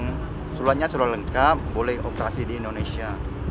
bahwa peraturan ini sudah lengkap boleh beroperasi di indonesia